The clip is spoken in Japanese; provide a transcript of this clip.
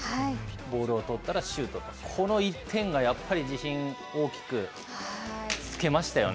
ボールを取ったらシュート、この１点がやっぱり自信、大きくつけましたよね。